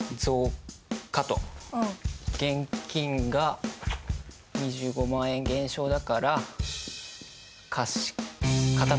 現金が２５万円減少だから貸方と。